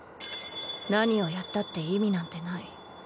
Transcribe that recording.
何をやったって意味なんてない。